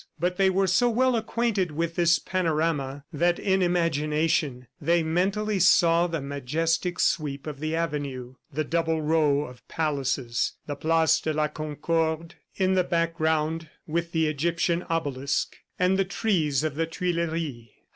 But they were so well acquainted with this panorama that in imagination they mentally saw the majestic sweep of the avenue, the double row of palaces, the place de la Concorde in the background with the Egyptian obelisk, and the trees of the Tuileries.